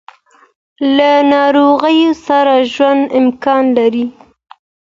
له ناروغ سره ژوند امکان لري.